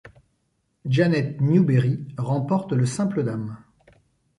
Janet Newberry remporte le simple dames.